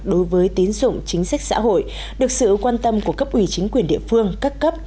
đối với tín dụng chính sách xã hội được sự quan tâm của cấp ủy chính quyền địa phương các cấp